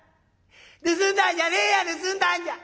盗んだんじゃねえや盗んだんじゃ。